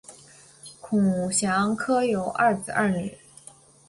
孔祥柯有二子二女